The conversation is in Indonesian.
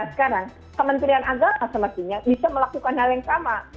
sekarang kementerian agama semestinya bisa melakukan hal yang sama